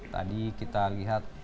tadi kita lihat